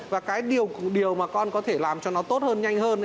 và cái điều mà con có thể làm cho nó tốt hơn nhanh hơn